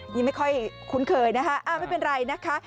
นี่ไม่ค่อยคุ้นเคยนะคะไม่เป็นไรนะคะ